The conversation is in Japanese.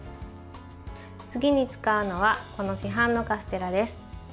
次に使うのはこの市販のカステラです。